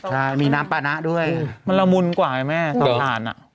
ใช่มีน้ำปานะด้วยมันละมุนกว่าไงแม่สะพานอ่ะ